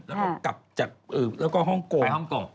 แล้วก็กลับจากแล้วก็ฮ่องโกง